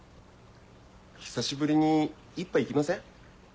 久しぶりに１杯行きません？